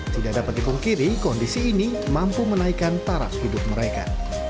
tidak dapat dipungkiri kondisi ini mampu menaikkan taraf hidup mereka